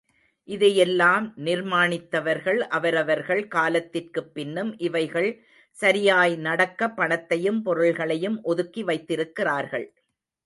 இதை யெல்லாம் நிர்மாணித்தவர்கள் அவரவர்கள் காலத்திற்குப் பின்னும் இவைகள் சரியாய் நடக்க பணத்தையும் பொருள்களையும், ஒதுக்கி வைத்திருக்கிறார்கள்.